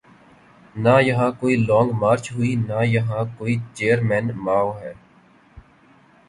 نہ یہاں کوئی لانگ مارچ ہوئی ‘نہ یہاں کوئی چیئرمین ماؤ ہے۔